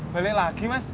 balik lagi mas